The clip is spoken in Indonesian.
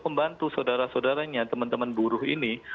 membantu saudara saudaranya teman teman buruh ini